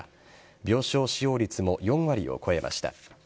病床使用率も４割を超えました。